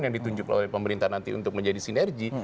yang ditunjuk oleh pemerintah nanti untuk menjadi sinergi